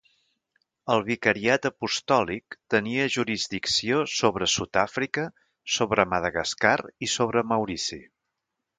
El vicariat apostòlic tenia jurisdicció sobre Sud-àfrica, sobre Madagascar i sobre Maurici.